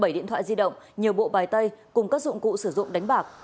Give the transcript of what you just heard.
bảy điện thoại di động nhiều bộ bài tay cùng các dụng cụ sử dụng đánh bạc